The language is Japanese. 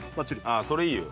ああそれいいよ。